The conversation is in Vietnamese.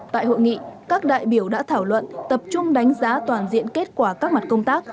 tại hội nghị các đại biểu đã thảo luận tập trung đánh giá toàn diện kết quả các mặt công tác